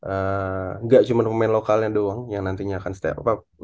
enggak cuman pemain lokal doang yang nantinya akan step up